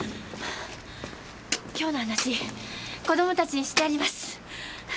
今日の話子供たちにしてやります。